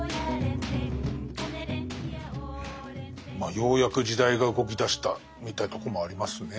まあようやく時代が動きだしたみたいなとこもありますね。